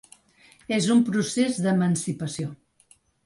És un procés d’emancipació.